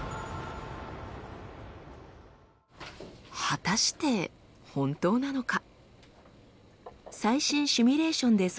果たして本当なのか？